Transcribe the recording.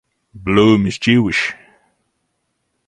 Bloom is Jewish.